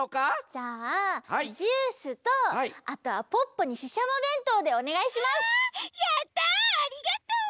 じゃあジュースとあとはポッポにししゃもべんとうでおねがいします！わあ！やったありがとう！